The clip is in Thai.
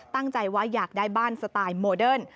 ตั้งใจว่าอยากได้บ้านสไตล์โมเดิร์น